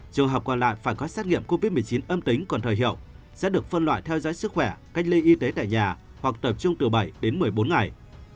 trường hợp còn lại phải có xét nghiệm covid một mươi chín âm tính còn thời hiệu sẽ được phân loại theo dõi sức khỏe cách ly y tế tại nhà hoặc tập trung từ bảy đến một mươi bốn ngày